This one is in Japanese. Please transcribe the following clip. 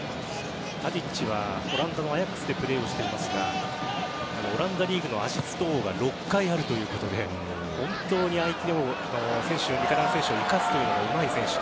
タディッチはオランダのアヤックスでプレーをしていますがオランダリーグのアシスト王が６回あるということで本当に味方の選手を生かすというのがうまい選手。